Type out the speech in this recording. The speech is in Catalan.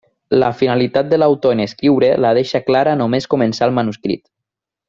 La finalitat de l'autor en escriure la deixa clara només començar el manuscrit.